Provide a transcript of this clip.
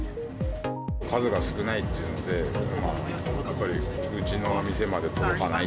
数が少ないっていうんで、やっぱりうちの店まで届かない。